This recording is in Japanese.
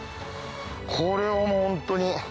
これはもうホントに。